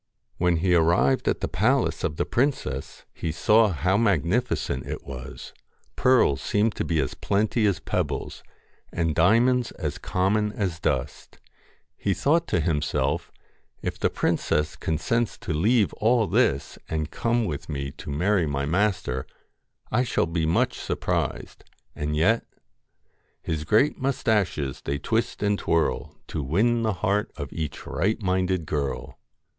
When he arrived at the palace of the princess, he saw how magnificent it was. Pearls seemed to be as plenty as pebbles, and diamonds as common as dust He thought to himself :' If the princess con sents to leave all this, and come with me to marry my master I shall be much surprised. And yet 1 " His great moustaches they twist and twirl, To win the heart of each right minded girl."